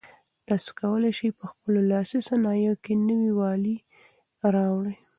تاسي کولای شئ په خپلو لاسي صنایعو کې نوي والی راولئ.